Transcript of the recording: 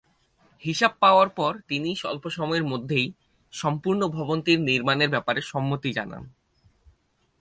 হিসাব পাওয়ার পর তিনি স্বল্প সময়ের মধ্যেই সম্পূর্ণ ভবনটির নির্মাণ এর ব্যাপারে সম্মতি জানান।